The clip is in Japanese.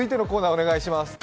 お願いします。